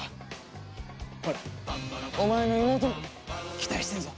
ほらお前の妹も期待してるぞ！